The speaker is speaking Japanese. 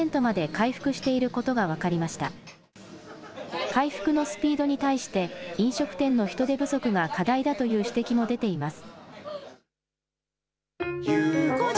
回復のスピードに対して飲食店の人手不足が課題だという指摘も出ています。